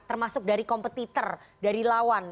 termasuk dari kompetitor dari lawan